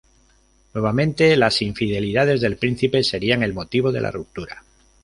Nuevamente las infidelidades del príncipe serían el motivo de la ruptura.